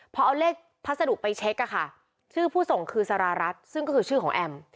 พอเอาเลขพัสดุไปเช็คชื่อผู้ส่งคือสารรัฐซึ่งก็คือชื่อของแอม